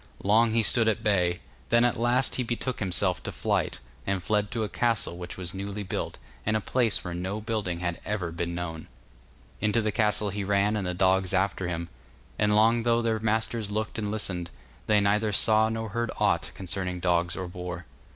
Long he stood at bay; then at last he betook himself to flight, and fled to a castle which was newly built, in a place where no building had ever been known. Into the castle he ran, and the dogs after him, and long though their masters looked and listened, they neither saw nor heard aught concerning dogs or boar.